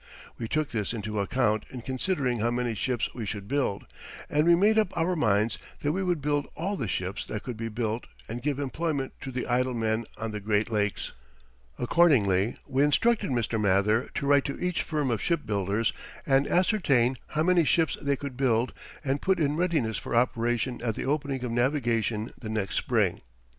We took this into account in considering how many ships we should build, and we made up our minds that we would build all the ships that could be built and give employment to the idle men on the Great Lakes. Accordingly we instructed Mr. Mather to write to each firm of shipbuilders and ascertain how many ships they could build and put in readiness for operation at the opening of navigation the next spring.